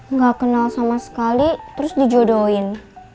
nggak kenal sama sekali terus dijodohin